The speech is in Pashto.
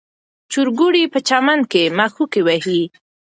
چرګوړي په چمن کې مښوکې وهي.